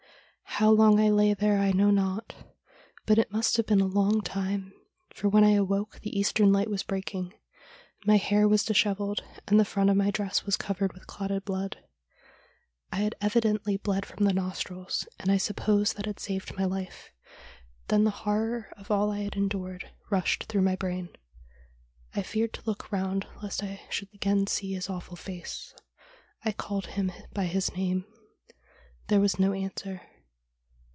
How long I lay there I know not ; but it must have been a long time, for when I awoke the eastern light was breaking. My hair was dishevelled, and the front of my dress was covered with clotted blood. I had evidently bled from the nostrils, and I suppose that had saved my life. Then the horror of all I had endured rushed through my brain. I feared to look round lest I should again see his awful face. I called him by his name. There was no answer.